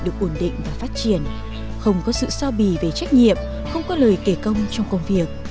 được ổn định và phát triển không có sự so bì về trách nhiệm không có lời kể công trong công việc